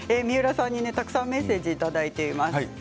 三浦さんにメッセージをいただいています。